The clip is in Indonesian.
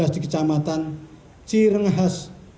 di kecamatan cirenghas